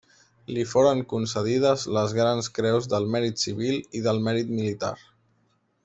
Li foren concedides les Grans Creus del Mèrit Civil i del Mèrit Militar.